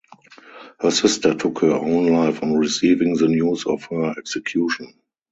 Her sister took her own life on receiving the news of her execution.